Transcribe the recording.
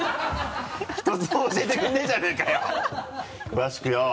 １つも教えてくれねぇじゃねぇか詳しくよぉ。